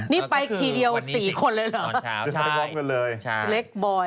นี่ไปทีเดียว๔คนเลยเหรอคือมาพร้อมกันเลยเล็กบอย